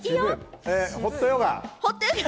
ホットヨガ。